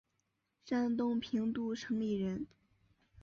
山东平度城里人。